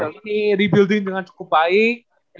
ini rebuilding dengan cukup baik